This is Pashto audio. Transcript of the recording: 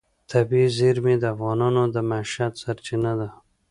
طبیعي زیرمې د افغانانو د معیشت سرچینه ده.